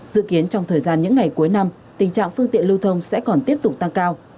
dự kiến trong thời gian những ngày cuối năm tình trạng phương tiện lưu thông sẽ còn tiếp tục tăng cao